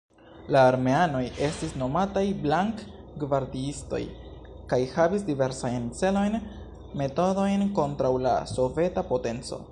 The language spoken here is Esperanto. La armeanoj estis nomataj blank-gvardiistoj, kaj havis diversajn celojn, metodojn kontraŭ la soveta potenco.